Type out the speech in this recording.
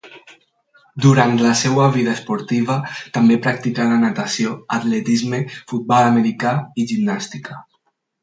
Durant la seva vida esportiva també practicà la natació, atletisme, futbol americà i gimnàstica.